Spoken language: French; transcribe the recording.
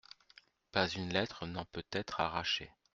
Pas une lettre n'en peut être arrachée.